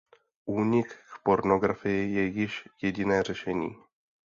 Únik k pornografii je již jediné řešení.